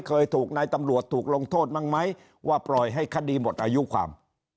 เคยถูกนายตำรวจถูกลงโทษบ้างไหมว่าปล่อยให้คดีหมดอายุความ